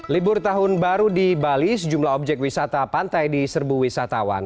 libur tahun baru di bali sejumlah objek wisata pantai di serbu wisatawan